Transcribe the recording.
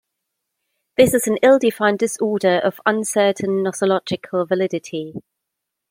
This is an ill-defined disorder of uncertain nosological validity.